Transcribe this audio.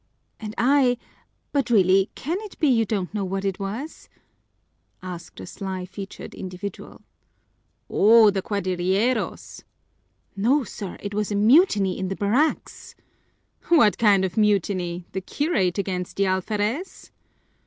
"And I but really, can it be you don't know what it was?" asked a sly featured individual. "Oh, the cuadrilleros!" "No, sir, it was a mutiny in the barracks!" "What kind of mutiny? The curate against the alferez?"